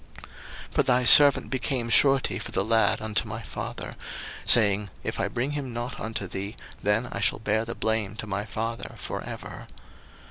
01:044:032 For thy servant became surety for the lad unto my father, saying, If I bring him not unto thee, then I shall bear the blame to my father for ever.